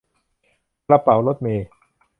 กระเป๋ารถเมล์